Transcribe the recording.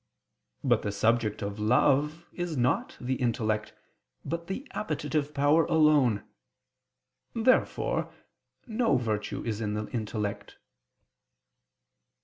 But the subject of love is not the intellect, but the appetitive power alone. Therefore no virtue is in the intellect.